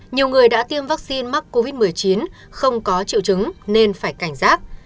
nhiều người đã tiêm vaccine mắc covid một mươi chín không có triệu chứng nên phải cảnh giác